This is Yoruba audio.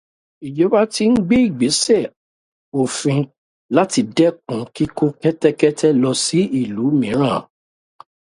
Ìjọba tí ń gbé ìgbésẹ̀ òfin láti dẹ́kun kíkó kẹ́tẹ́kẹ́tẹ́ lọ sí ìlú míràn.